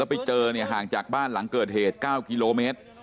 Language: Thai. ไปเจอเนี่ยห่างจากบ้านหลังเกิดเหตุ๙กิโลเมตร